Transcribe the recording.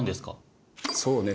そうね